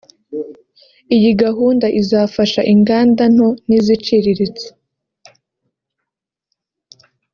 Iyi gahunda izafasha inganda nto n’iziciriritse